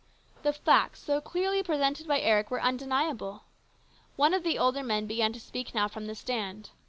The facts so clearly presented by Eric were undeniable. One of the older men began to speak now from the stand.